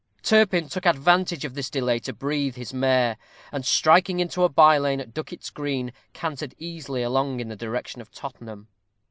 Turpin took advantage of this delay to breathe his mare; and, striking into a by lane at Duckett's Green, cantered easily along in the direction of Tottenham.